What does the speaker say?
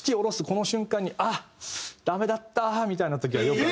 この瞬間にあっダメだったみたいな時はよく。